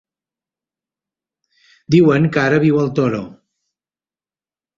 Diuen que ara viu al Toro.